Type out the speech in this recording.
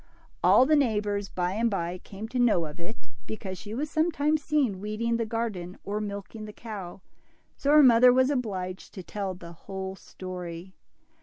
All the neighbors, by and by, came to know of it, because she was sometimes seen weeding the garden or milking the cow, so her mother was obliged to tell the whole story.